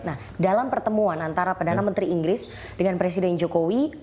nah dalam pertemuan antara perdana menteri inggris dengan presiden jokowi